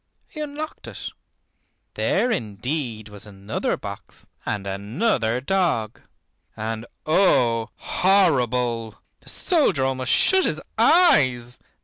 He unlocked it. There indeed was another box and another dog, and oh, horrible! the soldier almost shut his eyes.